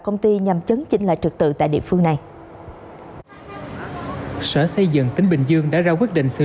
công ty nhằm chấn chỉnh lại trực tự tại địa phương này sở xây dựng tỉnh bình dương đã ra quyết định xây